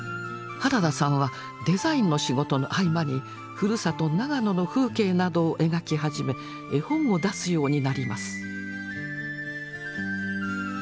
原田さんはデザインの仕事の合間にふるさと長野の風景などを描き始め絵本を出すようになります。